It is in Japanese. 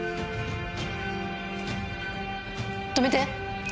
止めて！